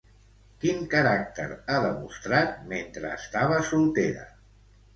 Quin caràcter ha demostrat mentre estava soltera?